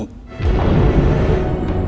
bukan gantiin aku jadi suami